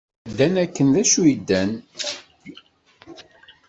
Ddan akken d acu i ddan.